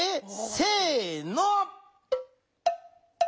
せの。